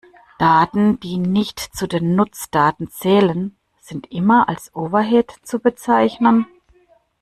Daten, die nicht zu den Nutzdaten zählen, sind immer als Overhead zu bezeichnen?